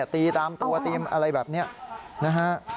ตีตามตัวตีอะไรแบบนี้นะฮะ